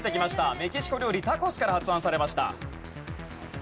メキシコ料理タコスから発案されました。